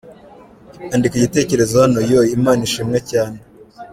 Andika Igitekerezo Hano yooo Imana ishimwecyane.